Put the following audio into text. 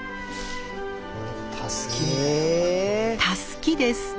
たすきです。